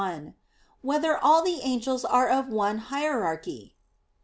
1] Whether All the Angels Are of One Hierarchy?